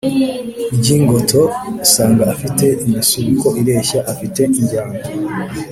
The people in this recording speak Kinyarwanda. ry'ingoto usanga afite imisubiko ireshya, afite i njyana